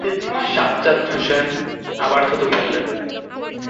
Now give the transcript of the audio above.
সাজ্জাদ হোসেন আবার থুথু ফেললেন।